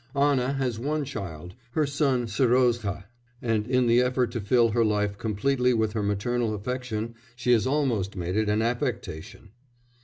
Anna has one child, her son Serozha, and in the effort to fill her life completely with her maternal affection, she has almost made it an affectation.